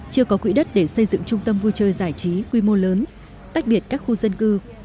chưa có quỹ đất để xây dựng trung tâm vui chơi giải trí quy mô lớn tách biệt các khu dân cư